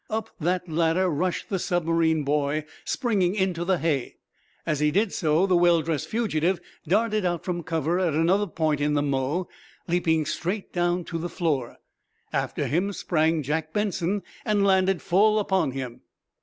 Up that ladder rushed the submarine boy, springing into the hay. As he did so, the well dressed fugitive darted out from cover at another point in the mow, leaping straight down to the floor. After him sprang Jack Benson, and landed full upon him.